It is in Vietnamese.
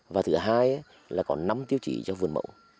và thứ hai là có năm tiêu chí cho vườn mẫu